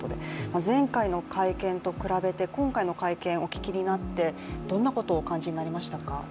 前回の会見と比べて今回の会見、お聞きになってどんなことをお感じになりましたか？